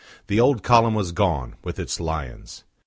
The old column was gone, with its lions.